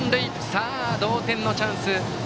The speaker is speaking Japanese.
さあ、同点のチャンス。